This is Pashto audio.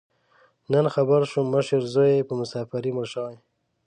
نن خبر شوم، مشر زوی یې په مسافرۍ مړ شوی.